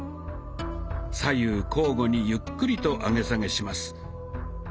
左右交互にゆっくりと上げ下げします。